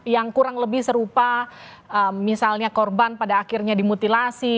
yang kurang lebih serupa misalnya korban pada akhirnya dimutilasi